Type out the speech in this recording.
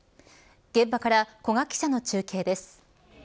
現場から古賀記者の中継です。